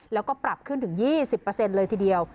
แล้วก็ปรับขึ้นถึง๒๐เลยทีเดียว